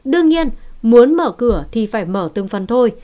đương nhiên muốn mở cửa thì phải mở từng phần thôi